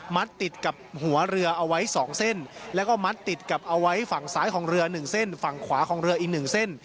ติดกับหัวเรือเอาไว้๒เส้นแล้วก็มัดติดกับเอาไว้ฝั่งซ้ายของเรือ๑เส้นฝั่งขวาของเรืออีกหนึ่งเส้น